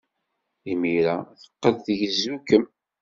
Imir-a, teqqel tgezzu-kem.